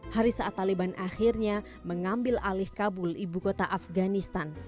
hari saat taliban akhirnya mengambil alih kabul ibu kota afganistan